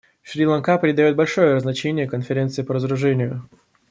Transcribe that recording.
Шри-Ланка придает большое значение Конференции по разоружению.